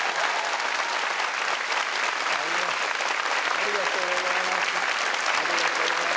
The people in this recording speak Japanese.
ありがとうございます。